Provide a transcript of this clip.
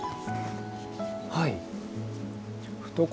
はい。